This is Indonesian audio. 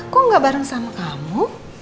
kok gak bareng sama kamu